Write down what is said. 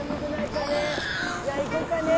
じゃあ行こうかね。